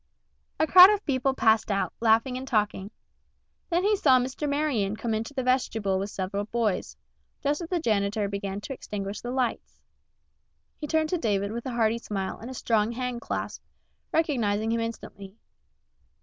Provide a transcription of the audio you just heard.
A crowd of people passed out, laughing and talking. Then he saw Mr. Marion come into the vestibule with several boys, just as the janitor began to extinguish the lights. He turned to David with a hearty smile and a strong hand clasp, recognizing him instantly.